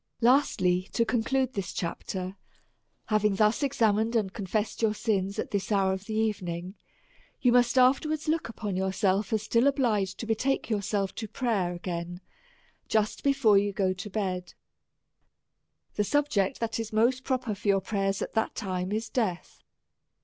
Lastly, to conclude this chapter : Having thus ex amined and confessed your sins at this hour of the evening, you must iiftcrwards look upon yourself as still obliged to betake yourself to prayer again just before you go to bed. The subject that is most pro per for your prayers, at that time, is death.